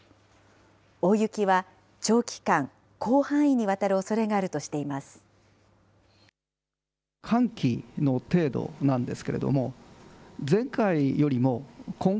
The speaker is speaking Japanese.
大雪は長期間、広範囲にわたるおそれがあるとしています。